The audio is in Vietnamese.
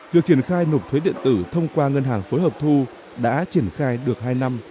việc triển khai nộp thuế điện tử thông qua ngân hàng phối hợp thu đã triển khai được hai năm